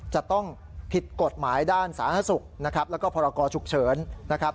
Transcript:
จะต้องผิดกฎหมายด้านสาธารณสุขและพรกรฉุกเฉิน